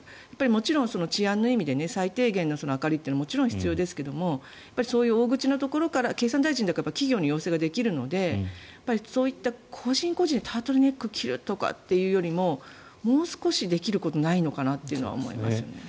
もちろん治安の意味で最低限の明かりというのはもちろん必要ですがそういう大口のところから経産大臣なんかは企業に要請ができるのでそういった個人個人でタートルネックを着るというよりももう少しできることないのかなというのは思いますよね。